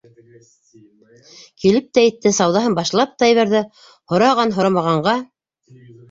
Килеп тә етте, сауҙаһын башлап та ебәрҙе, һораған-һорамағанға: